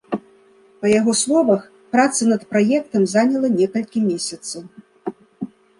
Па яго словах, праца над праектам заняла некалькі месяцаў.